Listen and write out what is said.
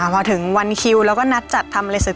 พอถึงวันคิวแล้วก็นัดจัดทำอะไรเสร็จ